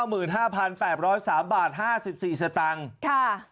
เมื่อไหร่คะ๕๙๕๘๐๓บาท๕๔สตางค์